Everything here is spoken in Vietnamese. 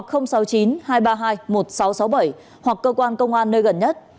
sáu mươi chín hai trăm ba mươi hai một nghìn sáu trăm sáu mươi bảy hoặc cơ quan công an nơi gần nhất